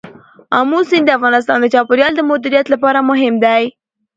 آمو سیند د افغانستان د چاپیریال د مدیریت لپاره مهم دی.